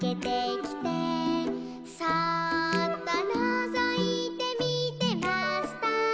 「そうっとのぞいてみてました」